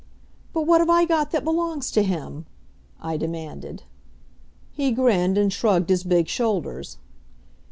"But what have I got that belongs to him?" I demanded. He grinned and shrugged his big shoulders.